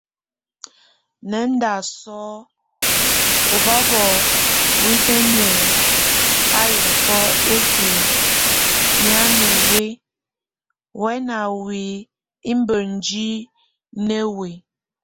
Nándasʼ o babo winéni a yɔf ɛkɛ míami we, wáŋa we imbindí newe,